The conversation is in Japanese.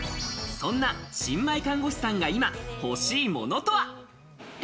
そんな新米看護師さんが今欲しいものとは？